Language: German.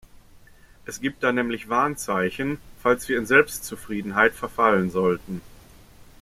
Es gibt da nämlich Warnzeichen, falls wir in Selbstzufriedenheit verfallen sollten.